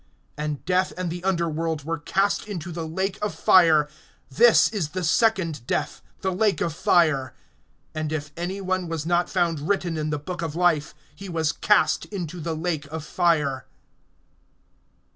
(14)And death and the underworld were cast into the lake of fire. This is the second death, the lake of fire. (15)And if any one was not found written in the book of life, he was cast into the lake of fire.